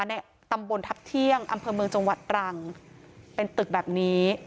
ในตำบลทัพเที่ยงอำเภอเมืองจังหวัดตรังเป็นตึกแบบนี้